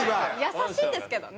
優しいんですけどね。